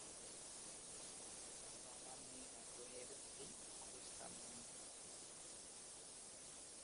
তার বাবা মেয়ের আগ্রহের দিকেই অবস্থান নেন।